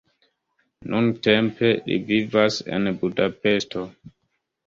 Nuntempe li vivas en Budapeŝto.